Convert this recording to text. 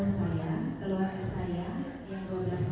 setelah saya keluarga saya yang dua belas orang